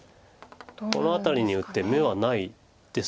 この辺りに打って眼はないです。